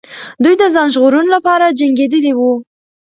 دوی د ځان ژغورلو لپاره جنګېدلې وو.